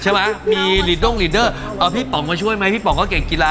ใช่ไหมมีลีด้งลีดเดอร์เอาพี่ป๋องมาช่วยไหมพี่ป๋องก็เก่งกีฬา